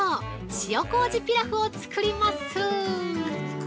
塩こうじピラフを作ります。